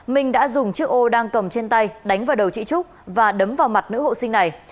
minh đã dùng chiếc ô đang cầm trên tay đánh vào đầu chị trúc và đấm vào mặt nữ hộ sinh này